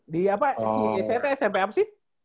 di apa si yesaya smp apa sih